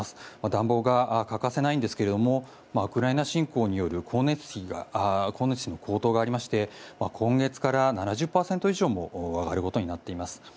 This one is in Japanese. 暖房が欠かせないんですがウクライナ侵攻による光熱費の高騰がありまして今月から７０％以上も上がることになっています。